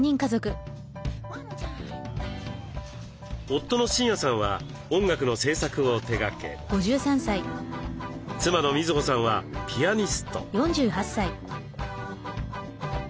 夫の真也さんは音楽の制作を手がけ妻の瑞穂さんはピアニスト。